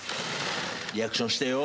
リアクションしてよ。